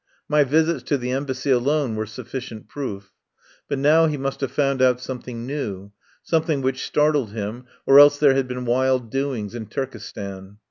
My visits to the Embassy alone were sufficient proof. But now he must have found out something new, something which startled him, or else there had been wild doings in Turkestan.